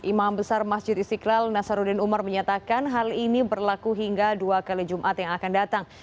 imam besar masjid istiqlal nasaruddin umar menyatakan hal ini berlaku hingga dua kali jumat yang akan datang